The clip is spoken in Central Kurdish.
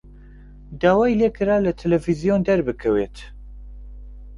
داوای لێ کرا لە تەلەڤیزیۆن دەربکەوێت.